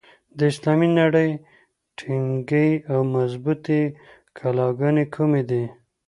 د اسلامي نړۍ ټینګې او مضبوطي کلاګانې کومي دي؟